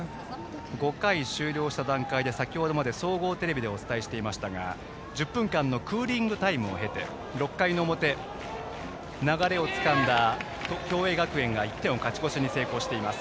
５回終了した段階で先程まで総合テレビでお伝えしていましたが１０分間のクーリングタイムを経て６回の表流れをつかんだ共栄学園が１点を勝ち越しに成功しています。